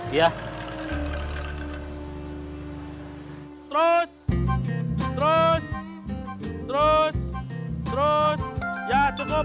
iya terus terus terus ya cukup